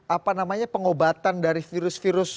apa namanya pengobatan dari virus virus